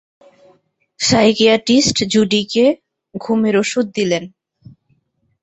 Psychiatrist জুডিকে ঘুমের অষুধ দিলেন।